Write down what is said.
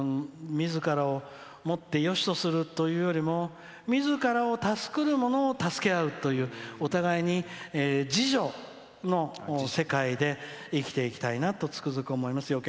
みずからをもってよしとするというよりもみずからを助けるものを助け合うというお互いに自助の世界で生きていきたいなとつくづく思います。